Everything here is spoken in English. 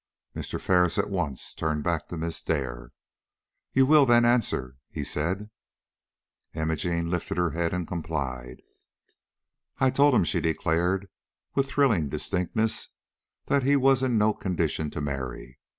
Mr. Ferris at once turned back to Miss Dare. "You will, then, answer," he said. Imogene lifted her head and complied. "I told him," she declared, with thrilling distinctness, "that he was in no condition to marry.